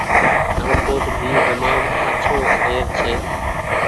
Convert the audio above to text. نئون ڪوٽ ڀي تمآم آڇو شهر ڇي۔